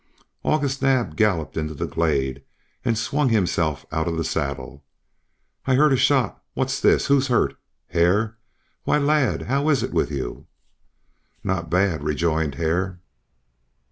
August Naab galloped into the glade, and swung himself out of the saddle. "I heard a shot. What's this? Who's hurt? Hare! Why lad how is it with you?" "Not bad," rejoined Hare.